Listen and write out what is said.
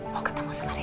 mau ketemu sama reina yuk